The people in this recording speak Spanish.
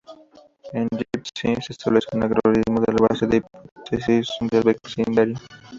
En Dip-C, se establece un algoritmo en base a la hipótesis del vecindario.